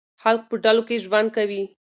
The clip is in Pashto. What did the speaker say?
خلک په ډلو کې ژوند کوي.